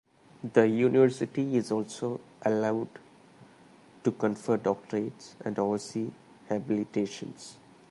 The university is also allowed to confer Doctorates and oversee Habilitations.